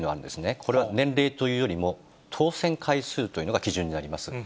これは年齢というよりも、当選回数というのが基準になります。